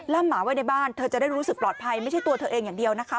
หมาไว้ในบ้านเธอจะได้รู้สึกปลอดภัยไม่ใช่ตัวเธอเองอย่างเดียวนะคะ